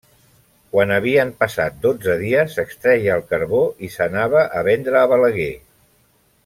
Quan havien passat dotze dies s'extreia el carbó i s'anava a vendre a Balaguer.